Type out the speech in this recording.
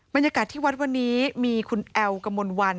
บรรยากาศที่วัดวันนี้มีคุณแอลกมลวัน